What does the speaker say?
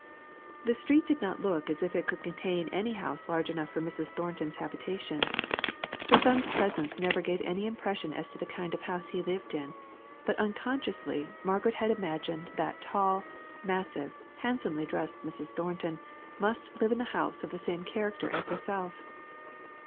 The street did not look as if it could contain any house large enough for Mrs. Thornton's habitation. Her son's presence never gave any impression as to the kind of house he lived in; but, unconsciously, Margaret had imagined that tall, massive, handsomely dressed Mrs. Thornton must live in a house of the same character as herself.